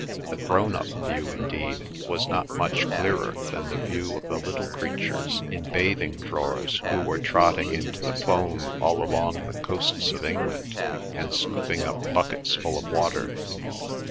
The grown up view, indeed, was not much clearer than the view of the little creatures in bathing drawers who were trotting in to the foam all along the coasts of England, and scooping up buckets full of water.